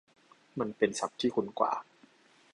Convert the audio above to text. มันเป็นศัพท์ที่คุ้นกว่า